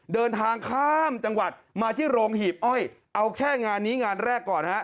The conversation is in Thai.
เดินทางข้ามจังหวัดมาที่โรงหีบอ้อยเอาแค่งานนี้งานแรกก่อนฮะ